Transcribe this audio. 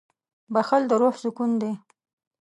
• بښل د روح سکون دی.